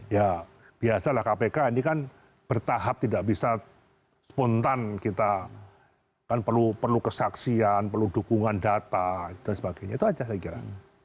ya biasalah kpk ini kan bertahap tidak bisa spontan kita kan perlu kesaksian perlu dukungan data dan sebagainya itu saja saya kira